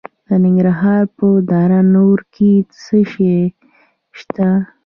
د ننګرهار په دره نور کې څه شی شته؟